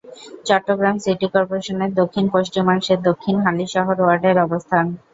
Chittagong city কর্পোরেশনের দক্ষিণ-পশ্চিমাংশে দক্ষিণ হালিশহর ওয়ার্ডের অবস্থান।